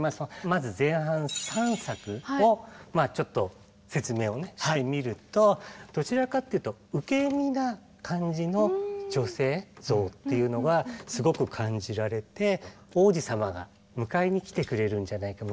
まず前半３作をちょっと説明をしてみるとどちらかっていうとっていうのがすごく感じられて王子様が迎えに来てくれるんじゃないか。